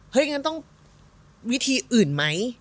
เฮ้ยอย่างนั้นต้องวิธีอื่นไหม